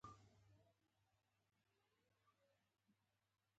زه د لیک کولو مهارت پیاوړی کوم.